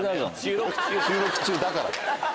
収録中だからだよ！